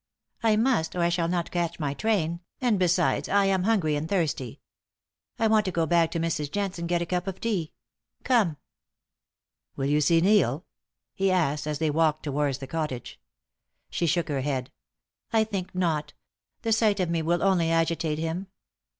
"I must, or I shall not catch my train, and, besides, I am hungry and thirsty. I want to go back to Mrs. Jent's and get a cup of tea. Come." "Will you see Neil?" he asked as they walked towards the cottage. She shook her head. "I think not; the sight of me will only agitate him.